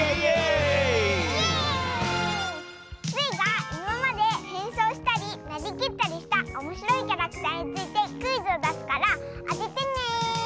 スイがいままでへんそうしたりなりきったりしたおもしろいキャラクターについてクイズをだすからあててね！